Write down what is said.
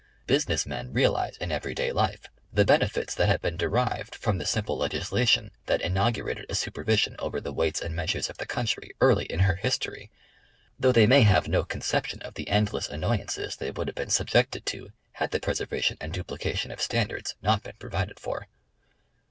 Business men realize in every day life the benefits that have been derived from the simple legis lation that inaugurated a supervision over the weights and meas ures of the country early in her history, though they may have no conception of the endless annoyances they would have been subjected to had the preservation and duplication of standards not been provided for.